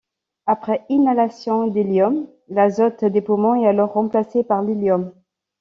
Après inhalation d'hélium, l'azote des poumons est alors remplacé par l'hélium.